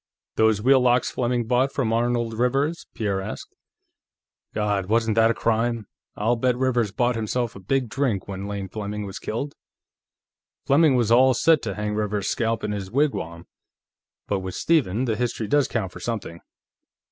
"Those wheel locks Fleming bought from Arnold Rivers?" Pierre asked. "God, wasn't that a crime! I'll bet Rivers bought himself a big drink when Lane Fleming was killed. Fleming was all set to hang Rivers's scalp in his wigwam.... But with Stephen, the history does count for something.